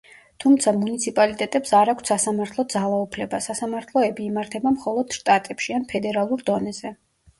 თუმცა მუნიციპალიტეტებს არ აქვთ სასამართლო ძალაუფლება, სასამართლოები იმართება მხოლოდ შტატებში ან ფედერალურ დონეზე.